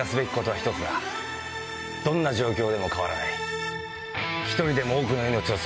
どんな状況でも変わらない。